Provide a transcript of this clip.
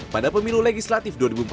pada pemilu legislatif dua ribu empat belas